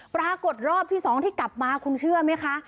ปรากฏรอบที่๒ที่กลับมาคุณเชื่อไหมคะ